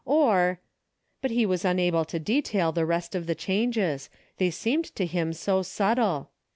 Or? But he Avas unable to detail the rest of the changes, they seemed to him so subtle.